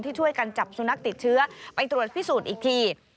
ช่วยกันจับสุนัขติดเชื้อไปตรวจพิสูจน์อีกที